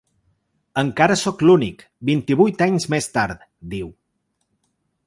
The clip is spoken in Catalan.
Encara sóc l’únic, vint-i-vuit anys més tard, diu.